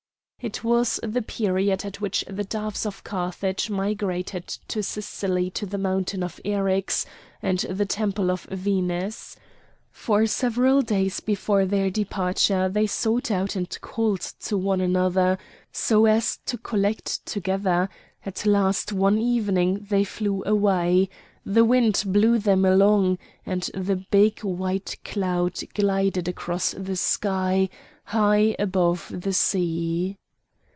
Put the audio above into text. It was the period at which the doves of Carthage migrated to Sicily to the mountain of Eryx and the temple of Venus. For several days before their departure they sought out and called to one another so as to collect together; at last one evening they flew away; the wind blew them along, and the big white cloud glided across the sky high above the sea.